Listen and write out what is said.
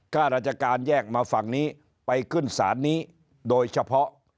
ข้าราชการแยกมาฝั่งนี้ไปขึ้นศาลนี้โดยเฉพาะ